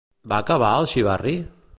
Va acabar, el xivarri?